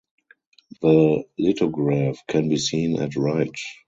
The lithograph can be seen at right.